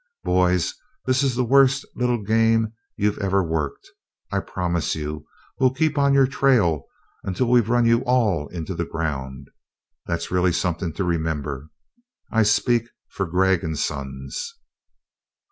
"Boys, it's the worst little game you've ever worked. I promise you we'll keep on your trail until we've run you all into the ground. That's really something to remember. I speak for Gregg and Sons."